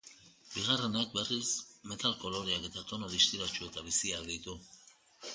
Bigarrenak, berriz, metal koloreak eta tonu distiratsu eta biziak ditu.